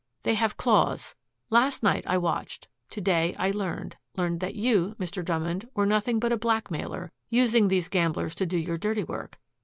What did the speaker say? They have claws. Last night I watched. To day I learned learned that you, Mr. Drummond, were nothing but a blackmailer, using these gamblers to do your dirty work.